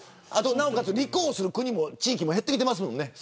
なおかつ立候補する国も地域も減ってきていますもんね。